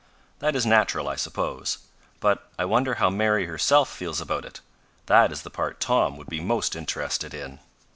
That is natural, I suppose. But I wonder how Mary herself feels about it. That is the part Tom would be most interested in.